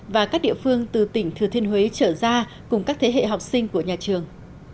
và các địa phương từ tỉnh thừa thiên huế trở ra cùng các thế hệ học sinh của nhà trường